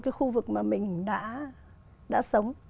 cái khu vực mà mình đã sống